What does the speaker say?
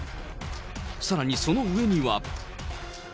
さらにその上には。